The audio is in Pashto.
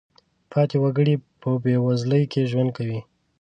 پاتې وګړي په بېوزلۍ کې ژوند کوي.